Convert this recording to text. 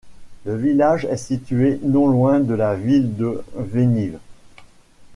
Le village est situé non loin de la ville de Venivv.